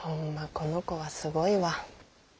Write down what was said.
この子はすごいわ。